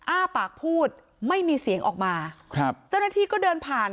อ้าปากพูดไม่มีเสียงออกมาครับเจ้าหน้าที่ก็เดินผ่าน